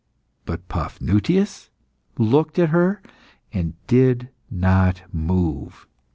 But Paphnutius looked at her, and did not move.